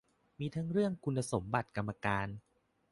มีทั้งเรื่องคุณสมบัติกรรมการ